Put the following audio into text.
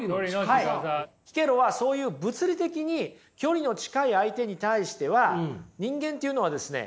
キケロはそういう物理的に距離の近い相手に対しては人間っていうのはですね